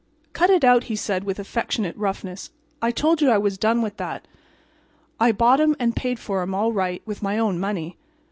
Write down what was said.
"Cut it out," he said, with affectionate roughness. "I told you I was done with that. I bought 'em and paid for 'em, all right, with my own money."